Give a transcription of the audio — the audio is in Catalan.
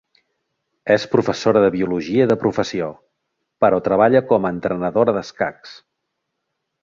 És professora de biologia de professió, però treballa com a entrenadora d'escacs.